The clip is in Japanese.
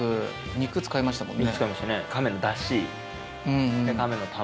肉使いましたね。